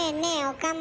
岡村。